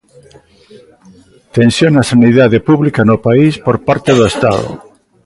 Tensión na sanidade pública no país por parte do Estado.